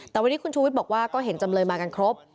แต่วันนี้คุณชูวิทย์บอกว่าก็เห็นจำเลยมากันครบ